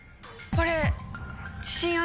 これ。